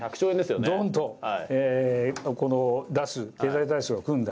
どーんと出す、経済対策を組んだ。